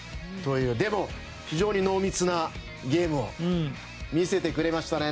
でも、非常に濃密なゲームを見せてくれましたね。